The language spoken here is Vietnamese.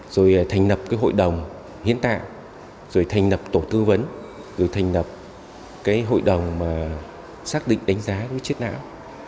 rồi thành nập hội đồng hiến tạng rồi thành nập tổ tư vấn rồi thành nập hội đồng xác định đánh giá chất não